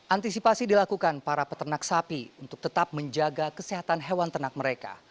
antisipasi dilakukan para peternak sapi untuk tetap menjaga kesehatan hewan ternak mereka